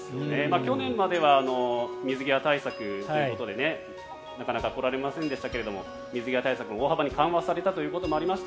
去年までは水際対策ということでなかなか来られませんでしたが水際対策も大幅に緩和されたということもありまして